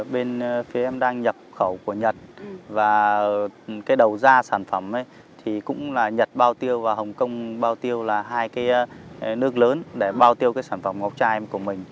bên phía em đang nhập khẩu của nhật và cái đầu da sản phẩm thì cũng là nhật bao tiêu và hồng kông bao tiêu là hai cái nước lớn để bao tiêu cái sản phẩm ngọc chai của mình